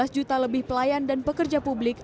lima belas juta lebih pelayan dan pekerja publik